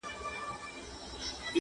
زموږ کورونه زموږ ښارونه پکښي ړنګ سي؛